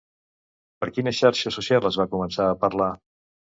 Per quina xarxa social es va començar a parlar?